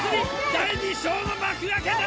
第２章の幕開けだ！